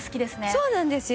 そうなんですよ。